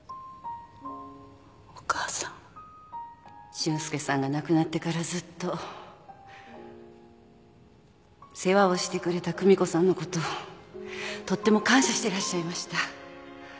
俊介さんが亡くなってからずっと世話をしてくれた久美子さんのこととっても感謝してらっしゃいました。